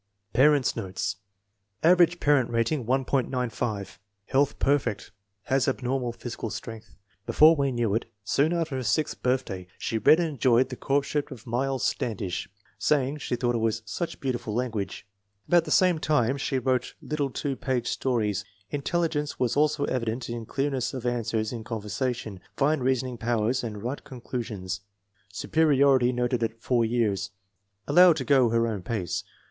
Parents 9 notes. Average parent rating 1.95. Health perfect. Has abnormal physical strength. "Before we knew it> soon after her sixth birthday, she read and 214 INTELLIGENCE OF SCHOOL CHILDREN enjoyed the Courtship of Miles Standish, saying she thought it was ' such beautiful language. 9 " About the same time she wrote little two page stories. In telligence was also evident in clearness of answers in conversation, fine reasoning powers and right conclu sions. Superiority noted at 4 years. Allowed to go her own pace.